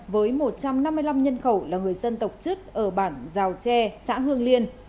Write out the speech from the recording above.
với một trăm năm mươi năm nhân khẩu là người dân tộc chất ở bản giao tre xã hương liên